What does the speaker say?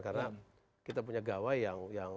karena kita punya gawai yang